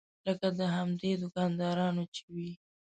لکه د همدې دوکاندارانو چې وي.